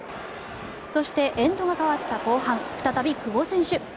そして、エンドが変わった後半再び久保選手。